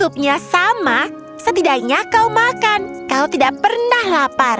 supnya sama setidaknya kau makan kau tidak pernah lapar